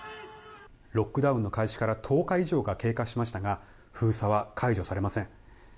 ロックダウンの開始から１０日以上が経過しましたが封鎖は解除されません。